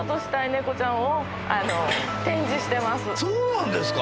そうなんですか。